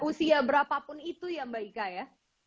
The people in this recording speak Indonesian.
usia berapapun itu ya mbak ika ya